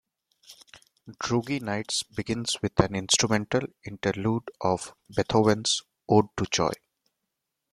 "Droogie Nights" begins with an instrumental interlude of Beethoven's "Ode to Joy".